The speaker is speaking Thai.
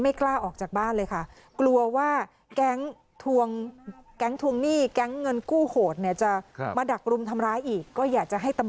ไม่กล้าออกจากบ้านเลยค่ะ